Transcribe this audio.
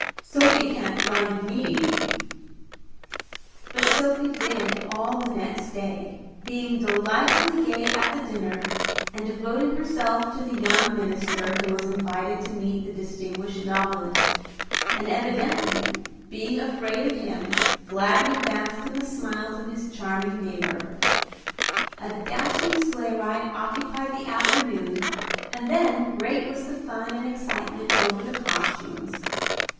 Sophie can't blind me." But Sophie did all the next day, being delightfully gay at the dinner, and devoting herself to the young minister who was invited to meet the distinguished novelist, and evidently being afraid of him, gladly basked in the smiles of his charming neighbor. A dashing sleigh ride occupied the afternoon, and then great was the fun and excitement over the costumes.